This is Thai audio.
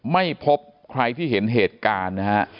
ไม่พบใครที่เห็นเหตุการณ์นะฮะ